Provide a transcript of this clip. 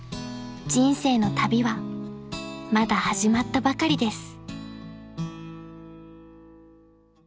［人生の旅はまだ始まったばかりです］